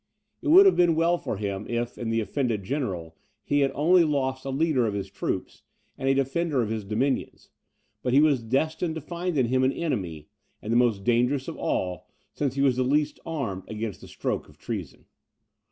It would have been well for him, if, in the offended general, he had only lost a leader of his troops, and a defender of his dominions; but he was destined to find in him an enemy, and the most dangerous of all, since he was least armed against the stroke of treason.